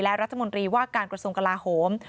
และรัฐมนตรีว่าการกระทรวงกลาโหม